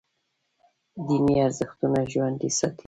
دیني ارزښتونه ژوندي ساتي.